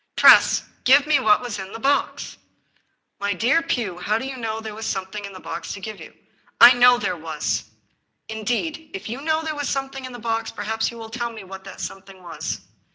" Tress, give me what was in the box." " My dear Pugh, how do you know that there was some thing in the box to give you ?"" I know there was !"" Indeed ! If you know that there was something in the box, perhaps you will tell me what that something was."